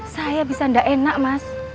saya bisa tidak enak mas